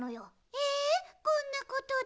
えこんなことで？